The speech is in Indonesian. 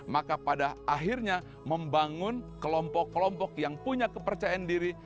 maka pada akhirnya membangun kelompok kelompok yang punya kepercayaan diri